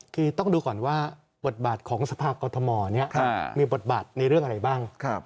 คือต้องดูก่อนว่าบทบาทของสภากรทมนี้มีบทบาทในเรื่องอะไรบ้าง